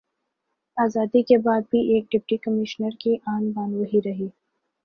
آزادی کے بعد بھی ایک ڈپٹی کمشنر کی آن بان وہی رہی